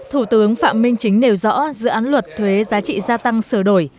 thủ tướng phạm minh chính nêu rõ dự án luật thuế giá trị gia tăng sửa đổi